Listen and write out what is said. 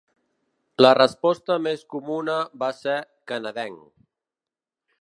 La resposta més comuna va ser "canadenc".